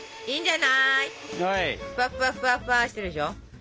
いいんじゃない。